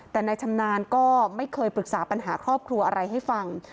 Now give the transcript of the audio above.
แต่นายชำนาญก็ไม่เคยปรึกษาปัญหาครอบครัวอะไรให้ฟัง